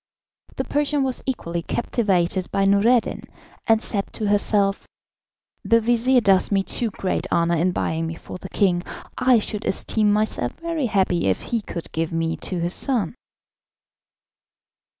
The Persian was equally captivated by Noureddin, and said to herself: "The vizir does me too great honour in buying me for the king. I should esteem myself very happy if he would give me to his son."